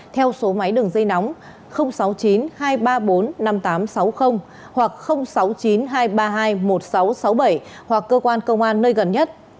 theo số máy đường dây nóng sáu mươi chín hai trăm ba mươi bốn năm nghìn tám trăm sáu mươi hoặc sáu mươi chín hai trăm ba mươi hai một nghìn sáu trăm sáu mươi bảy hoặc cơ quan công an nơi gần nhất